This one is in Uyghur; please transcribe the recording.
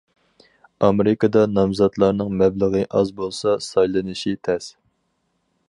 ئامېرىكىدا نامزاتلارنىڭ مەبلىغى ئاز بولسا سايلىنىشى تەس.